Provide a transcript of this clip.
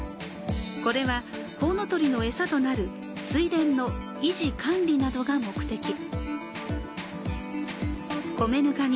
これは、コウノトリの餌となる水田の維持管理などが目的。